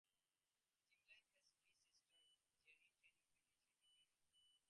Timlin has three sisters; Jeri Lynn, Tracy, and Sherri.